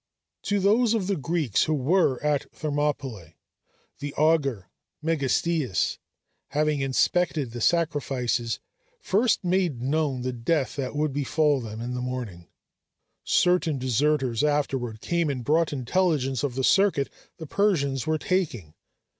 To those of the Greeks who were at Thermopylæ, the augur Megistias, having inspected the sacrifices, first made known the death that would befall them in the morning; certain deserters afterward came and brought intelligence of the circuit the Persians were taking.